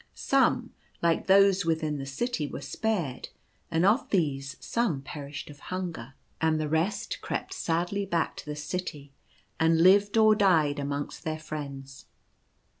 Some, like those within the city, were spared, and of these some perished of hunger, and the rest crept 64 The Birds help, sadly back to the city and lived or died amongst their friends.